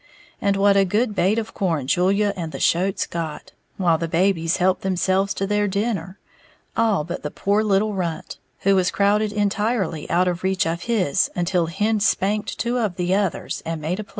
And what a good bait of corn Julia and the shoats got, while the babies helped themselves to their dinner, all but the poor little runt, who was crowded entirely out of reach of his until Hen spanked two of the others and made a place for him!